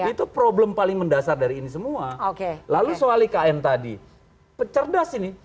itu problem paling mendasar dari ini semua lalu soal ikn tadi cerdas ini